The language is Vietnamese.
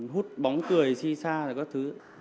hút bóng cười si xa các thứ